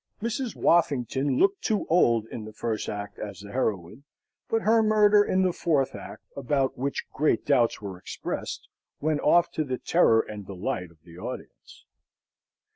Mrs. Woffington looked too old in the first act as the heroine, but her murder in the fourth act, about which great doubts were expressed, went off to the terror and delight of the audience.